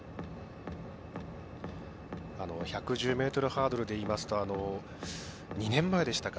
１１０ｍハードルでいいますと２年前でしたか。